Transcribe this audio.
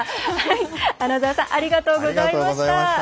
穴澤さんありがとうございました。